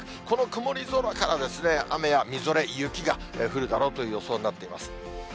この曇り空から雨やみぞれ、雪が降るだろうという予想になっています。